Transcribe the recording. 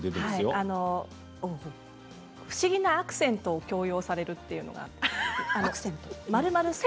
不思議なアクセントを強要されるんですね。